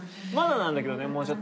まだなんだけどね